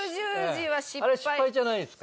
あれ失敗じゃないですか？